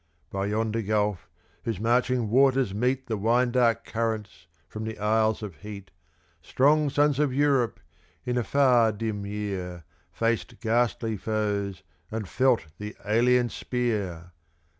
*3* By yonder gulf, whose marching waters meet The wine dark currents from the isles of heat, Strong sons of Europe, in a far dim year, Faced ghastly foes, and felt the alien spear!